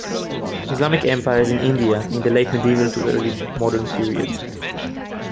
Islamic empires in India in the late Medieval to Early Modern period.